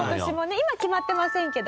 今決まってませんけど。